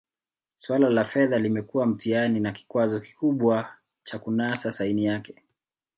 Suala la fedha limekuwa mtihani na kikwazo kikubwa cha kunasa saini yake